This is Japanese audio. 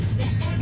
何？